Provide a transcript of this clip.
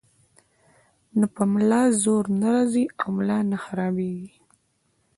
نو پۀ ملا زور نۀ راځي او ملا نۀ خرابيږي -